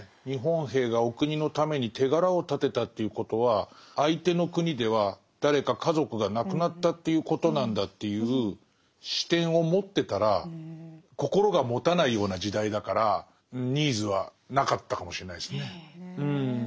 日本兵がお国のために手柄を立てたということは相手の国では誰か家族が亡くなったということなんだという視点を持ってたら心がもたないような時代だからニーズはなかったかもしれないですね。